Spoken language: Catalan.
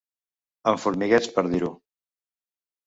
Amb formigueig per dir-ho.